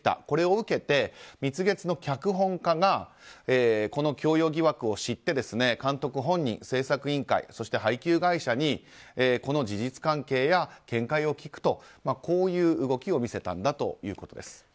これを受けて「蜜月」の脚本家がこの強要疑惑を知って監督本人製作委員会、そして配給会社にこの事実関係や見解を聞くというこういう動きを見せたということです。